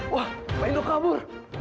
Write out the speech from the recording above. pak indro kabur